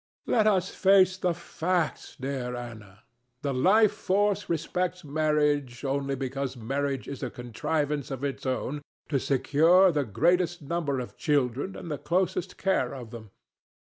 Let us face the facts, dear Ana. The Life Force respects marriage only because marriage is a contrivance of its own to secure the greatest number of children and the closest care of them.